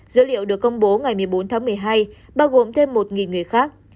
dữ liệu được công bố ngày một mươi bốn tháng một mươi hai bao gồm thêm một người khác